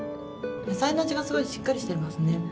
野菜の味がすごいしっかりしてますね。